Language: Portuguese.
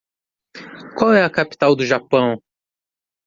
Qual é a capital do Japão?